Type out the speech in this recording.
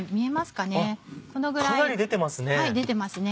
かなり出てますね。